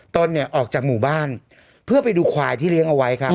ตนเนี่ยออกจากหมู่บ้านเพื่อไปดูควายที่เลี้ยงเอาไว้ครับ